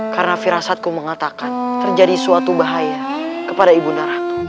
karena firasatku mengatakan terjadi suatu bahaya kepada ibu nda ratu